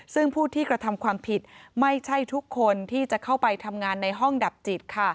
ซึ่งผู้ที่กระทำความผิดไม่ใช่ทุกคนที่จะเข้าไปทำงานในห้องดับจิต